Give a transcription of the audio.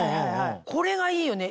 これがいいよね。